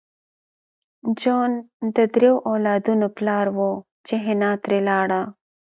جون د دریو اولادونو پلار و چې حنا ترې لاړه